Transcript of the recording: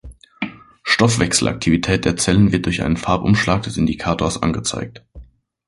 Stoffwechselaktivität der Zellen wird durch einen Farbumschlag des Indikators angezeigt.